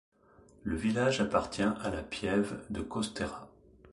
Le village appartient à la piève de Costera.